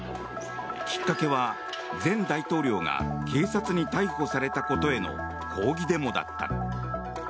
きっかけは前大統領が警察に逮捕されたことへの抗議デモだった。